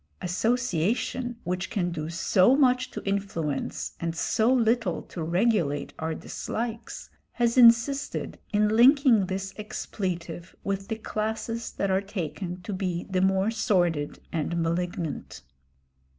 Association, which can do so much to influence and so little to regulate our dislikes, has insisted in linking this expletive with the classes that are taken to be the more sordid and malignant.